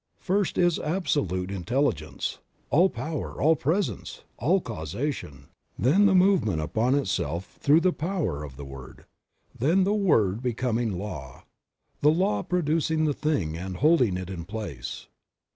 First is Absolute Intelligence, All Power, All Presence, All Causation; then the movement upon itself through the power of the Word ; then the Word becoming Law; the Law producing the thing and holding it in place.